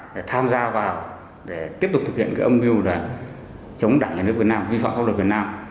để tham gia vào để tiếp tục thực hiện cái âm mưu chống đảng nhà nước việt nam vi phạm pháp luật việt nam